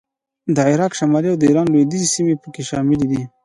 د عراق شمالي او د ایران لوېدیځې سیمې په کې شاملې دي